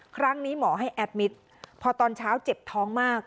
ครั้งนี้หมอให้แอดมิตรพอตอนเช้าเจ็บท้องมาก